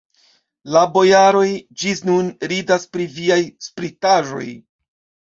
La bojaroj ĝis nun ridas pri viaj spritaĵoj.